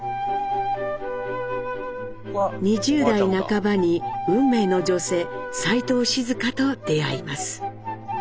２０代半ばに運命の女性齋藤静香と出会います。